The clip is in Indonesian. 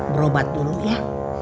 berobat dulu ya